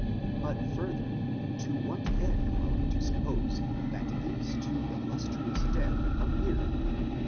But further, to what end are we to suppose that these two illustrious dead appeared?